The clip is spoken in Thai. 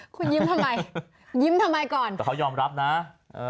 คุณยิ้มทำไมยิ้มทำไมก่อนแต่เขายอมรับนะเออ